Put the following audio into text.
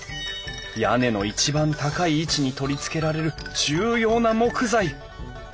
屋根の一番高い位置に取り付けられる重要な木材。